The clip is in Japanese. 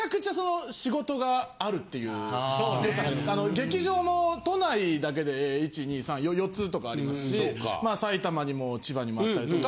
劇場の都内だけで１２３４つとかありますし埼玉にも千葉にもあったりとか。